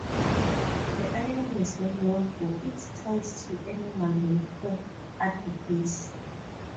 The island is well known for its ties to animal welfare advocacy.